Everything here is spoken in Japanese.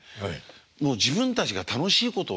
もう自分たちが楽しいことをやっていこう。